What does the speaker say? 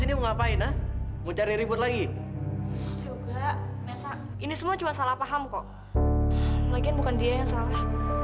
ini ngapain ah mencari ribut lagi ini semua cuma salah paham kok lagi bukan dia yang salah